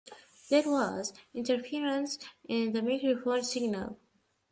There was interference in the microphone signal.